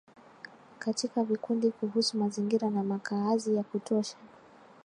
katika vikundi kuhusu mazingira na makaazi ya kutosha